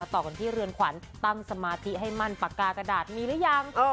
ต่อกันที่เรือนขวัญตั้งสมาธิให้มั่นปากกากระดาษมีหรือยัง